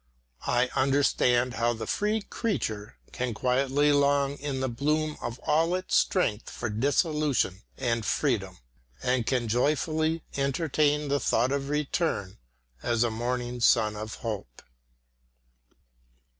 I understand how the free creature can quietly long in the bloom of all its strength for dissolution and freedom, and can joyfully entertain the thought of return as a morning sun of hope.